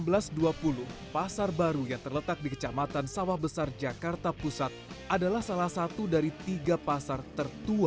berdiri sejak seribu delapan ratus dua puluh pasar baru yang terletak di kecamatan sawah besar jakarta pusat adalah salah satu dari tiga pasar tertua di ibu kota